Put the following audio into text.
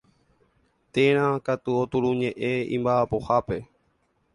Térã katu oturuñe'ẽ imba'apohápe.